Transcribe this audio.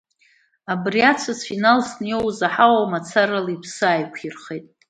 Абри ацәыцә иналсны иоуаз аҳауа мацара ала иԥсы еиқәир-хеит.